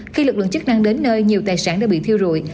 khi lực lượng chức năng đến nơi nhiều tài sản đã bị thiêu rụi